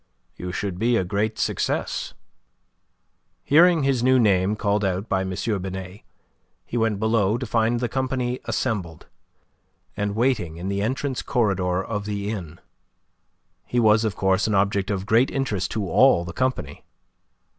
You should be a great success." Hearing his new name called out by M. Binet, he went below to find the company assembled, and waiting in the entrance corridor of the inn. He was, of course, an object of great interest to all the company.